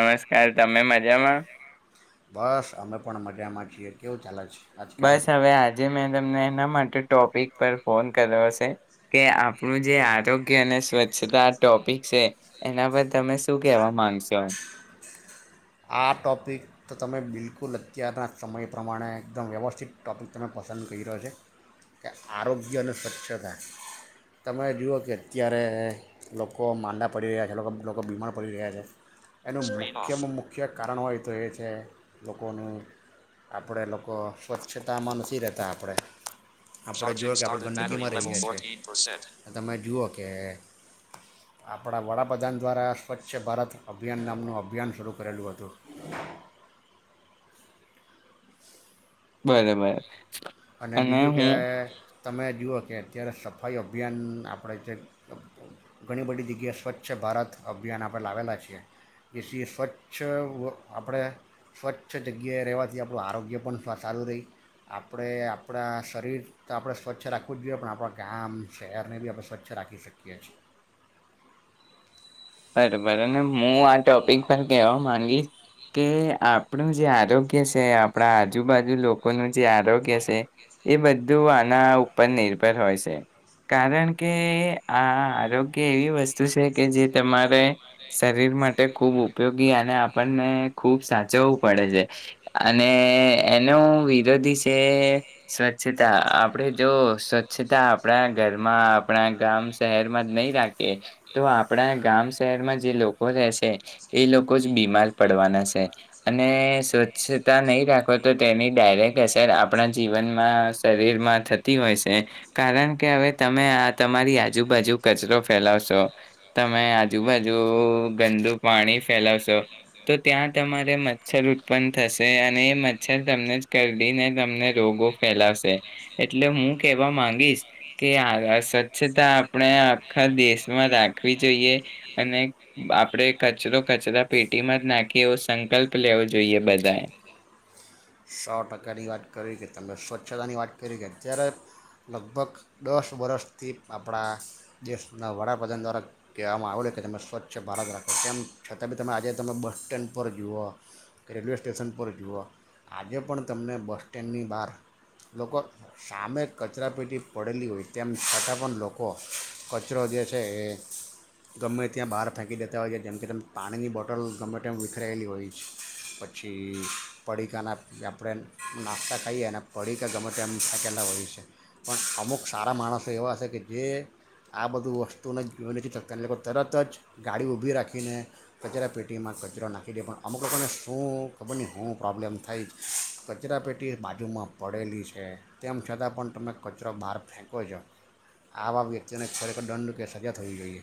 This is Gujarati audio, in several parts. નમસ્કાર તમે મજામાં બસ અમે પણ મજામાં છીએ કેવું ચાલે છે આજકાલ બસ હવે આજે મેં તમને એના માટે ટોપિક પર ફોન કર્યો છે કે આપણું જે આરોગ્ય અને સ્વચ્છતા ટોપિક છે એના પર તમે શું કેહેવા માંગશો આ ટૉપિક તો તમે બિલકુલ અત્યારના સમય પ્રમાણે એકદમ વ્યવસ્થિત ટૉપિક તમે પસંદ કરી રહ્યો છે કે આરોગ્ય અને સ્વચ્છતા તમે જુઓ કે અત્યારે લોકો માંદા પડી રહ્યા છે લોકો બીમાર પડી રહ્યા છે એનું મુખ્ય મુખ્ય કારણ હોય તો એ છે લોકોનું આપણે લોકો સ્વચ્છતામાં નથી રહેતા આપણે તમે જુઓ કે આપણા વડાપ્રધાન દ્વારા સ્વચ્છ ભારત અભિયાન નામનું અભિયાન સ્વરૂપ કરલું હતો બરોબર અને બીજું કે તમે જુઓ કે અત્યારે સફાઈ અભિયાન આપણે જે ઘણી બધી જગ્યાએ સ્વચ્છ ભારત અભિયાન આપણે લાવેલા છીએ જેથી સ્વચ્છ આપણે સ્વચ્છ જગ્યાએ રહેવાથી આપણું આરોગ્ય પણ સારું રહી આપ આપણે આપણા શરીર તો આપણે સ્વચ્છ રાખવું જ જોઈએ પણ આપણા ગામ શહેરને બી આપણે સ્વચ્છ રાખી શકીએ છે બરોબર અને હું આ ટોપિક પર કહેવા માંગીશ કે આપણું જે આરોગ્ય છે આપણા આજુબાજુ લોકોનું જે આરોગ્ય છે એ બધું આના ઉપર નિર્ભર હોય છે કારણ કે આ આરોગ્ય એવી વસ્તુ છે કે જે તમારે શરીર માટે ખૂબ ઉપયોગી અને આપણને ખૂબ સાચવવું પડે છે અને એનો વિરોધી છે સ્વચ્છતા આપણે જો સ્વચ્છતા આપણા ઘરમાં આપણા ગામ શહેરમાં જ નહીં રાખીએ તો. આપણા ગામ શહેરમાં જે લોકો રહેશે એ લોકો જ બીમાર પડવાના છે અને સ્વચ્છતા નહીં રાખો તો તેની ડાયરેક્ટ અસર આપણા જીવનમાં શરીરમાં થતી હોય છે કારણ કે હવે તમે આ તમારી આજુબાજુ કચરો ફેલાવશો. તમે આજુબાજુ ગંદુ પાણી ફેલાવશો તો ત્યાં તમારે મચ્છર ઉત્પન્ન થશે અને એ મચ્છર તમને જ કરીદીને તમને રોગો ફેલાવશે એટલે હું કેહેવા માંગીશ કે આ સ્વચ્છતા આપણે આખા દેશમાં રાખ. રાખવી જોઈએ અને આપણે કચરો કચરા પેટીમાં જ નાખીએ એવો સંકલ્પ લેવો જોઈએ બધાએ. સો ટકાની વાત કરી કે તમે સ્વચ્છતાની વાત કરી કે અત્યારે લગભગ દસ વર્ષથી આપણા દેશના વડાપ્રધાન દ્વારા કહેવામાં આવેલ કે તમે સ્વચ્છ ભારત રાખો તેમ છતાં બી તમે આજે તમે બસ સ્ટેન્ડ પર જુઓ કે રેલવે સ્ટેશન પર જુઓ. આજે પણ તમને બસ સ્ટેન્ડની બહાર લોકો સામે કચરાપેટી પડેલી હોય તેમ છતાં પણ લોકો કચરો જે છે એ ગમે ત્યાં બહાર ફેંકી દેતા હોય છે જેમ કે તેમ પાણીની બોટલ ગમે તેમ વિખરાયેલી હોય પછી પડીકાના. જે આપણે નાસ્તા ખાઈએ અને પડી કે ગમે એમ થાકેલા હોય છે પણ અમુક સારા માણસો એવા હ છે કે જે આ બધું વસ્તુને જો નથી થકતા એને લોકો તરત જ ગાડી ઊભી રાખીને કચરા પેટીમાં કચરો નાખી દે પણ અમુક લોકોને શું ખબર નહી હું પ્રોબ્લેમ થાય જ. કચરા પેટી બાજુમાં પડેલી છે તેમ છતાં પણ તમે કચરો બહાર ફેંકો છો આવા વ્યક્તિને ખરેખર દંડ કે સજા થ હોવી જોઈએ.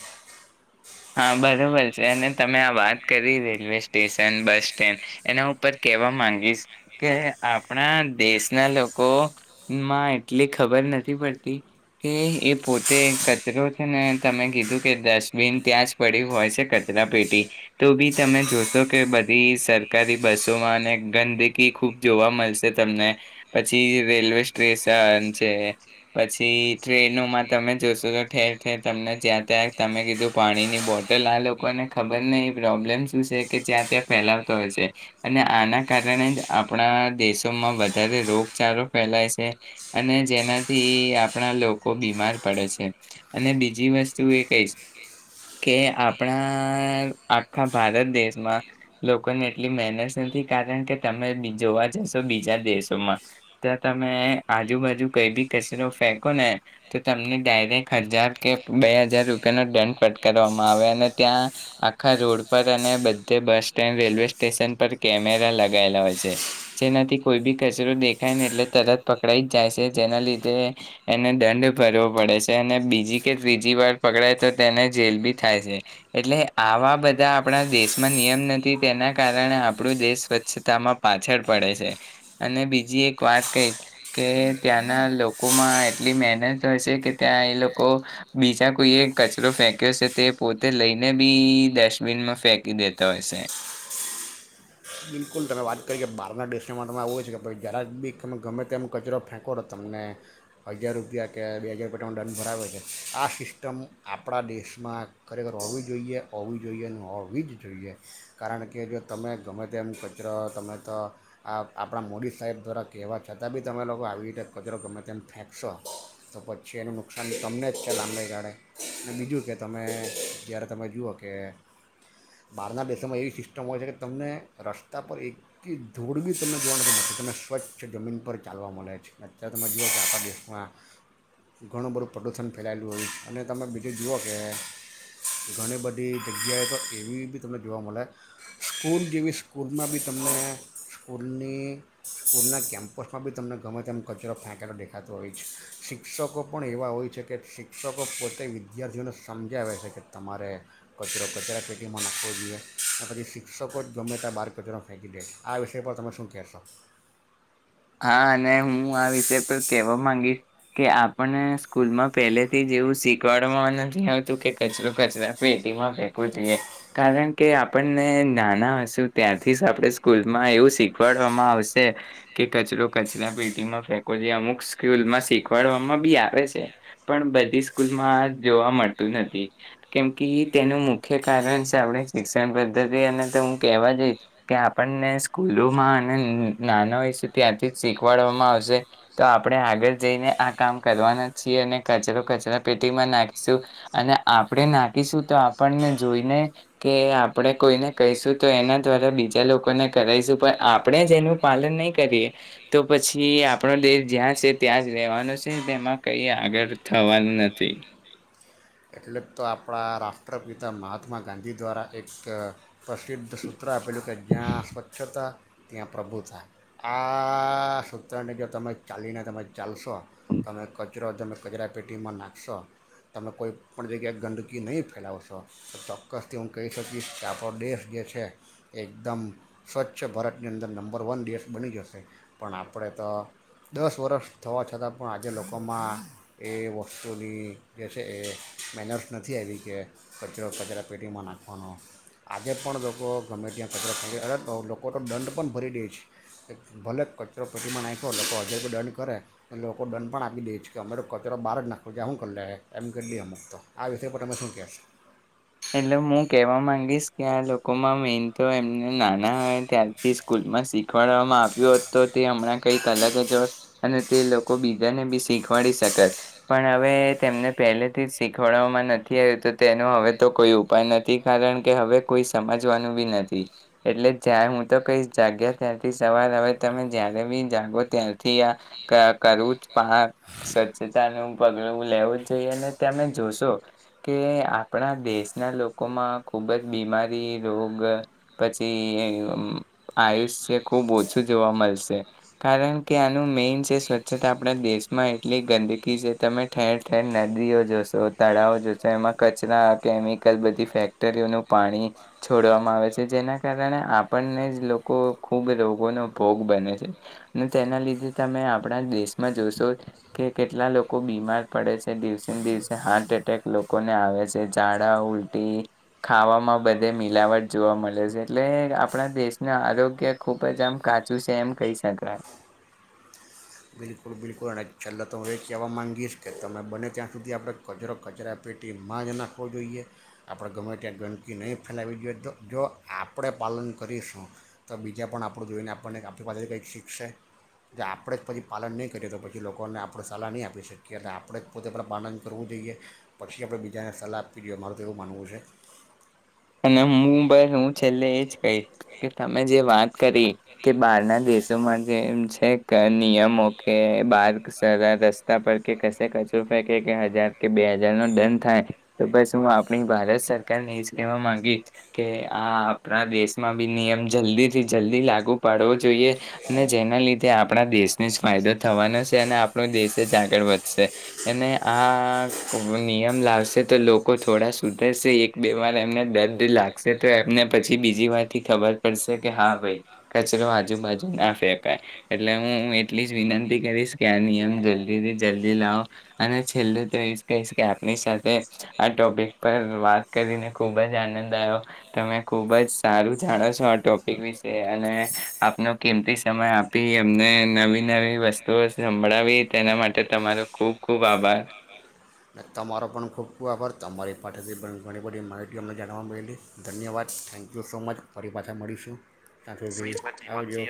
હા બરોબર છે અને તમે આ વાત કરી રેલવે સ્ટેશન બસ સ્ટેન્ડ એના ઉપર કેહેવા માંગીશ કે આપણા દેશના લોકોમાં એટલી ખબર નથી પડતી કે એ પોતે કચરો છે ને તમે કીધું કે ડસ્ટબિન. ત્યાં જ પડી્યું હોય છે કચરાપેટી તો બી તમે જોશો કે બધી સરકારી બસોમાં અને ગંદકી ખૂબ જોવા મળશે તમને પછી રેલવે સ્ટેશન છે પછી ટ્રેનોમાં તમે જોશો તો ઠેર ઠેર તમને જ્યાં ત્યાં તમે કીધું. પાણીની બોટલ આ લોકોને ખબર નહી એ પ્રોબ્લેમ શું છે કે જ્યાં ત્યાં ફેલાવતો હોય છે અને આના કારણે જ આપણા દેશોમાં વધારે રોગચળો ફેલાય છે અને જેનાથી આપણા લોકો બીમાર પડે છે અને બીજી વસ્તુ એ કઈ છે. કે આપણા આખા ભારત દેશમાં લોકોને એટલી મહેનત નથી કારણ કે તમે જોવા જશો બીજા દેશોમાં જો તમે આજુબાજુ કઈ બી કચરો ફેંકો ને તો તમને ડાયરેક્ટ હજાર કે બે હજાર રૂપિયાનોો દંડ. ફટકારવામાં આવે અને ત્યાં આખા રોડ પર અને બધે બસ સ્ટેન્ડ રેલવે સ્ટેશન પર કેમેરા લગાયેલા હોય છે જેનાથી કોઈ બી કચરો દેખાય ને એટલે તરત પકડાઈ જ જાય છે જેના લીધે એને દંડ ભરવો પડે છે અને બીજી કે ત્રીજી વાર પકડાય તો. તેને જેલ બી થાય છે એટલે આવા બધા આપણા દેશમાં નિયમ નથી તેના કારણે આપણું દેશ સ્વચ્છતામાં પાછળ પડે છે અને બીજી એક વાત કહીશ કે ત્યાંના લોકોમાં એટલી મહેનત હશે કે ત્યાં એ લોકો બીજા કોઈએ. કો ફેંક્યો છે તે પોતે લઈને બી ડસ્ટબિનમાં ફેંકી દેતા હયશે. બિલકુલ તમે વાત કરી કે બારના દેશોમાં તમારે એવું હોય છે કે ભાઈ જરાક બી તમે ગમે તેમ કચરો ફેંકો તોો તમને હજાર રૂપિયા કે બે હજાર રૂપિયા તમાં દંન ભરાવે છે આ સિસ્ટમ આપણા દેશમાં ખરેખર હોવી જોઈએ હોવી જોઈએ હોવી જ જોઈએ કારણ કે જો તમે. ગમે તેમ કચરો તમે તો આ આપણા મોદી સાહેબ દ્વારા કહેવા છતાં બી તમે લોકો આવી રીતે કચરો ગમે તેમ ફેંકશો તો પછી એનું નુકસાન તમને જ છે લાંબાાઈ ગાળે અને બીજું કે તમે જ્યારે તમે જુઓ કે બહારના દેશોમાં એવી સિસ્ટમ હોય છે કે. તમને રસ્તા પર એકલી ધૂળ બી તમને જોવા નથી મળતી તમને સ્વચ્છ જમીન પર ચાલવા મળે છે અત્યારે તમે જુઓ કે આપખણા દેશમાં ઘણું બધું પ્રદૂષણ ફેલાયેલું હોય અને તમે બીજું જુઓ કે ઘણી બધી જગ્યાએ તો એવી બી તમને જોવા મળે. સ્કૂલ જેવી સ્કૂલમાં બી તમને સ્કૂલની સ્કૂલના કેમ્પસમાં બી તમને ગમે તેમમ કચરો ફેંકેલો દેખાતો હોય છે શિક્ષકો પણ એવા હોય છે કે શિક્ષકો પોતે વિદ્યાર્થીઓને સમજાવે છે કે તમારે કચરો કચરા ચેટીમાં નાખવો જોઈએ અને પછી શ. સકો જ ગમે ત બાર કચરો ફેંકી દે આ વિષય પર તમે શું કહેશો.. હા અને હું આ વિષ પર કેહેવા માંગીશ કે આપણને સ્કૂલમાં પહેલેથી જ એવું શીખવાડવામાં નથી આવતું કે કચરો કચરા પેટીમાં ફેકવું જોઈએ કારણ કે આપણને નાના હશેુ ત્યાંથી જ આપણે સ્કૂલમાં એવું શીખવાડવામાં આવશે. કે કચરો કચરા પેટીમાં ફેકો જેઈ અમુક સ્કૂલમાં શીખવાડવામાં બી આવે છે પણ બધી સ્કૂલમાં આ જોવા મળતું નથી કેમ કે તેનું મુખ્ય કારણ છે આપણે શિક્ષણ પદ્ધતિ અને તો હું કહેવા જઈશ કે આપણને સ્કૂલોમાં અને નાનાય. ત્યાંથી જ શીખવાડવામાં આવશે તો આપણે આગળ જઈને આ કામ કરવાના છીએ અને કચરો કચરા પેટીમાં નાખીશું અને આપણે નાખીશું તો આપણને જોઈને કે આપણે કોઈને કહીશું તો એના દ્વારા બીજા લોકોને કરાવશું પણ આપણે જ એનું પાલન નહી. કરીએ તો પછી આપણો દેશ જ્યાં છે ત્યાં જ રેવાનો છે તેમાં કઈ આગળ થવાનું નથી. એટલે તો આપણા રાષ્ટ્રપિતા મહાત્મા ગાંધી દ્વારા એક. પ્રસિ્ધસૂત્ર આપેલું કે જ્ઞં સ્વચ્છતા. ત્યાં પ્રભુ થ આ સૂત્રને જો તમે ચાલીને તમે ચાલશો તમે કચરો તમે કચરા પેટીમાં નાખશો તમે કોઈ પણ જગ્યાએ ગંદકી નહીં ફેલાવશો તો ચોક્કસથી હું કહી શકીશ કે આપણો દેશ જે છે એ એકદમ સ્વચ્છ ભારતની અંદર નંબર વન દેશ બની જશે પણ આપણે તો દસ વર્ષ થવા છતાં પણ આજે લોકોમાં એ વસ્તુની જે છે એ મેનર્સ નથી આવી કે કચરો કચરા પેટીમાં નાખવાનો આજે પણ લોકો ગમે ત્યાં કચરો અરે લોકો તો દંડ પણ ભરી દે છે ભલે કચરો પેટીમાં નાખો લોકો હજે કોઈ દંડ કરે લોકો દંડ પણ આપી દે છે કે અમેરો તો કચરો બહાર જ નાખો જે હું કરી લે એમ કરી દઈ અમું તો આ વિષય પણ તમે શું કહેશો હેલો હું કહેવા માંગીશ કે આ લોકોમાં મેન તો એમને નાના ત્યારથી સ્કૂલમાં શીખવાડવામાં આવ્યું હોત તો તે હમણાં કંઈક અલગ જ હોય અને તે લોકો બીજાને બી શીખવાડી શક પણ હવે તેમને પહેલેથી જ શીખવાડવામાં નથી આવ્યું તો તેનું હવે તો કોઈ ઉપાય નથી કારણ કે હવે કોઈ સમજવાનું બી નથી એટલે જં હું તો કઈ જાગ્યા ત્યાંથી સવાર હવે તમે જ્યારે બી જાગો ત્યાંથી આ કરવું જ પાક સ્વચ્છતાનું પગલું લેવું જ જઈએ અને તમે જોશો કે આપણા દેશના લોકોમાં ખૂબ જ બીમારી રોગ પછી આયુષ્ય ખૂબ ઓછું જોવા મળશે કારણ કે આનું મેઇન છે સ્વચ્છતા આપણા દેશમાં એટલી ગંદકી છે તમે ઠેર ઠેર નદીઓ જોશો તળાવ જોશો એમાં કચરા કેમિકલ બધી ફેક્ટરીઓનું પાણી છોડવામાં આવે છે જેના કારણે આપણને જ લોકો ખૂબ રોગોનો ભોગ બને છે અને તેના લીધે તમે આપણા દેશમાં જોશો કે કેટલા લોકો બીમાર પડે છે દિવસે ને દિવસે હાર્ટ એટેક લોકોને આવે છે. ઝાડા ઉલટી ખાવામાં બધે મિલાવટ જોવા મળે છે એટલે આપણા દેશના આરોગ્ય ખુબ જ આમ કાચું છે એમ કહી શકાય બિલકુલ બિલકુલ અને છેલ્લા તો હું એ કહેવા મામાંગીશ કે તમે બને ત્યાં સુધી આપણે કચરો કચરા પેટીમાં જ નાખવો જોઈએ આપણે ગમે ત્યાં ગંદકી નહીં ફેલાવી જોઈએ તો જો આપણે પાલન કરીશું તો બીજા પણ આપણું જોઈને આપણને આપણી પાસેથી કંઈક શીખશે જો આપણે જ પછી પાલન નહીં કરીએ તો પછી લોકોને આપણે સલાહ નહીં આપી શકીએ અને આપણે જ પોતે પાલન કરવું જોઈએ પછી આપણે બીજાને સલાહ આપવી જોઈએ મારું તો એવું માનવું છે. અને હું બ હું છેલ્લે એજ કહીશ કે તમે જે વાત કરી કે બહારના દેશોમાં જેમ છે નિયમો કે બાર રસ્તા પર કે કશે કચરો ફેકે કે હજાર કે બે હજાર નો દંડ થાય તો બસ હું આપણી ભારત સરકારનેહી જ વા ગી કે આ આપણા દેશમાં બી નિયમ જલ્દી થી જલ્દી લાગુ પાડવો જોઈએ અને જેના લીધે આપણા દેશને જ ફાયદો થવાનો છે અને આપણો દેશ જ આગળ વધશે અને આ નિયમ લાવશે તો લોકો થોડા સુધરશે એક બે વાર એને દર્ લાગ તો એમને પછી બીજી વારથી ખબર પડશે કે હા ભાઈ કચરો આજુબાજુ ના ફેંકાય એટલે હું એટલી જ વિનંતી કરીશ કે આ નિયમ જલ્દી થી જલ્દી લાવ અને છેલ્લું તો એ જ કહીશ કે આપની સાથે આ ટોપિક પર વાત કરીને ખૂબ જ આનંદ આવ્યો તમે ખૂબ જ સારું જાણો છો આ ટોપિક વિશે અને આપનો કિંમતી સમય આપી એમને નવી નવી વસ્તુઓ સંભળાવી તેના માટે તમારો ખૂબ ખૂબ આભાર તમારો પણ ખૂબ ખૂબ આભાર તમારી પાસેથી પણ ઘણી બધી માહિતી અમને જાણવા મળેલી ધન્યવાદ થેન્ક યુ સો મચ ફરી પાછા મળીશું ત્યાં જો